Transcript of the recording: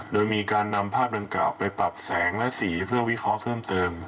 โดยมีการนำภาพดังกล่าวไปปรับแสงและสีเพื่อวิเคราะห์เพิ่มเติม